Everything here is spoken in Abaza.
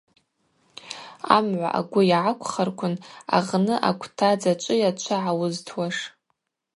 Амгӏва агвы йгӏаквхарквын агъны аквта дзачӏвыйа чва гӏауызтуаш?